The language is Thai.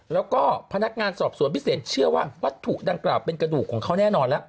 แล้วก็พนักงานสอบสวนพิเศษเชื่อว่าวัตถุดังกล่าวเป็นกระดูกของเขาแน่นอนแล้ว